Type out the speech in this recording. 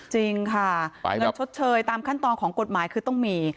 จริงค่ะเงินชดเชยตามขั้นตอนของกฎหมายคือต้องมี